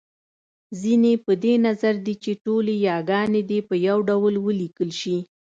ځينې په دې نظر دی چې ټولې یاګانې دې يو ډول وليکل شي